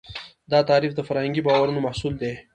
دا تعریف د فرهنګي باورونو محصول دی.